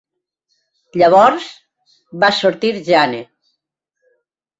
Llavors va sortir Jane.